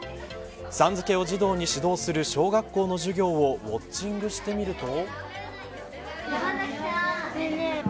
さん付けを児童に指導する小学校の授業をウオッチングしてみると。